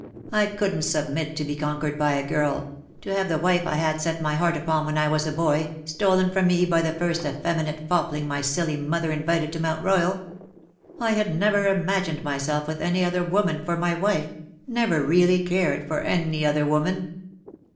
I couldn^t submit to be con quered by a girl — to have the wife I had set my heart upon when I was a boy, stolen from me by the first effeminate fopling my silly mother invited to Mount Royal. I had never imagined myself with any other woman for my wife — never really cared for any other woman.